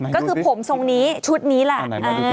ก็คือผมทรงนี้ชุดนี้แหละ